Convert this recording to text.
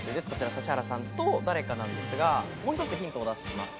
指原さんと誰かなんですが、もう１つヒントを出します。